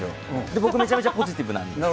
僕、めちゃめちゃポジティブなんですよ。